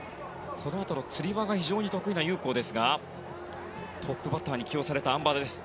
このあとのつり輪が非常に得意なユウ・コウですがトップバッターに起用されたあん馬です。